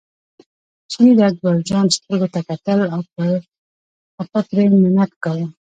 چیني د اکبرجان سترګو ته کتل او په پرې منت کاوه.